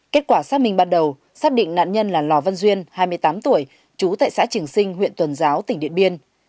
kết quả xác minh ban đầu xác định nạn nhân là lò văn duyên hai mươi tám tuổi trú tại xã trường sinh huyện tuần giáo tỉnh điện biên